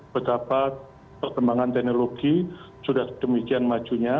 berapa perkembangan teknologi sudah demikian majunya